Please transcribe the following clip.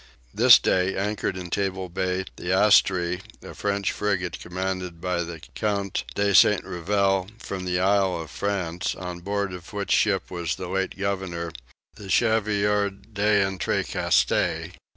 This day anchored in table bay the Astree, a French frigate, commanded by the Count de St. Rivel from the Isle of France, on board of which ship was the late governor, the Chevalier d'Entrecasteaux.